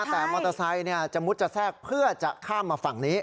แต่มอเตอร์ไซค์จะมุดจะแทรกเพื่อจะข้ามมาฝั่งนี้